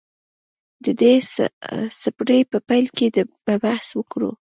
د دې څپرکي په پیل کې به بحث وکړو.